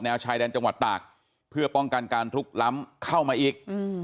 ชายแดนจังหวัดตากเพื่อป้องกันการลุกล้ำเข้ามาอีก